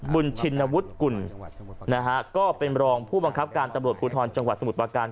บุญชินวุฒิกุลนะฮะก็เป็นรองผู้บังคับการตำรวจภูทรจังหวัดสมุทรประการ